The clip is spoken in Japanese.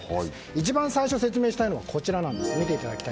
一番最初、説明したいのがこちら。